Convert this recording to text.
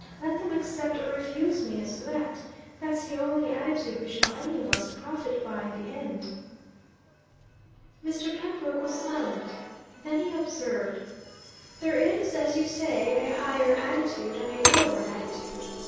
Let them accept or refuse me as that. That's the only attitude we shall any of us profit by in the end." Mr. Pembroke was silent. Then he observed, "There is, as you say, a higher attitude and a lower attitude.